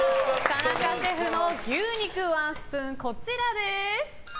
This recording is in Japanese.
田中シェフの牛肉ワンスプーンこちらです。